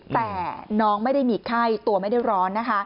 แต่น้องไม่ได้มีไข้ตัวไม่ได้ร้อนนะคะ